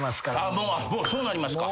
もうそうなりますか。